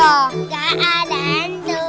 gak ada hantu